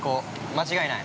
間違いない。